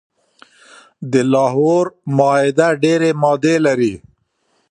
د لاهور معاهده ډیري مادي لري.